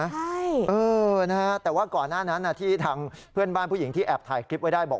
ใช่เออนะฮะแต่ว่าก่อนหน้านั้นที่ทางเพื่อนบ้านผู้หญิงที่แอบถ่ายคลิปไว้ได้บอก